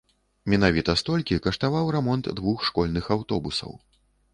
Менавіта столькі каштаваў рамонт двух школьных аўтобусаў.